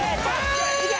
いけ！